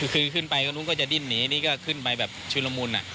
คือขึ้นไปตรงนู้นก็จะดิ้นหนีนี่ก็ขึ้นไปแบบชื่อละมุนอ่ะ